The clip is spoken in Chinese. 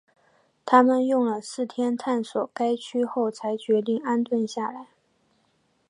他们用了四天探索该区后才决定安顿下来。